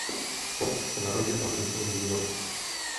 Ott se narodil a vyrůstal v New Yorku.